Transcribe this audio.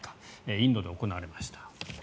インドで行われました。